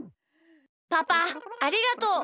パパありがとう！